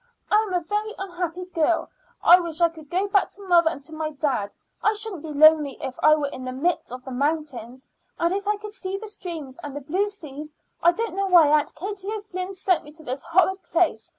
I am a very unhappy girl. I wish I could go back to mother and to my dad. I shouldn't be lonely if I were in the midst of the mountains, and if I could see the streams and the blue sea. I don't know why Aunt Katie O'Flynn sent me to this horrid place.